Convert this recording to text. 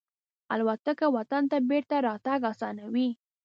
الوتکه وطن ته بېرته راتګ آسانوي.